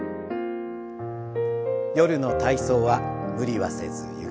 夜の体操は無理はせずゆっくり。